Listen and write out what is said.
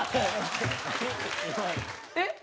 えっ？